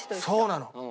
そうなの。